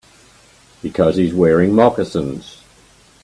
Because he's wearing moccasins.